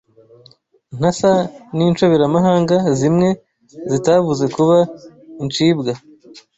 Ntasa n’inshoberamahanga Zimwe zitabuze kuba inshibwa